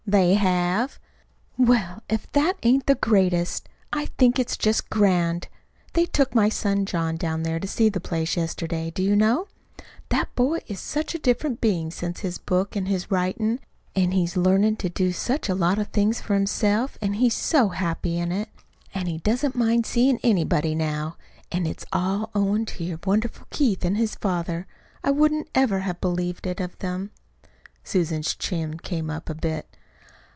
"They have." "Well, if that ain't the greatest! I think it's just grand. They took my John down there to see the place yesterday. Do you know? That boy is a different bein' since his book an' his writin'. An' he's learnin' to do such a lot of things for himself, an' he's so happy in it! An' he doesn't mind seein' anybody now. An' it's all owin' to your wonderful Keith an' his father. I wouldn't ever have believed it of them." Susan's chin came up a bit.